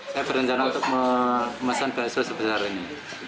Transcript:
saya berencana untuk memesan bakso sebesar ini